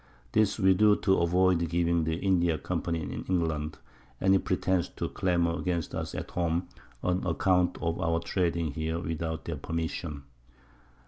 This we do to avoid giving the India Company in England any Pretence to clamour against us at home, on account of our trading here without their Permission.